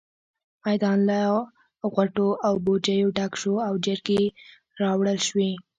میدان له غوټو او بوجيو ډک شو او چرګې راوړل شوې.